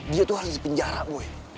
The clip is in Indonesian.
dia tuh harus dipenjara gue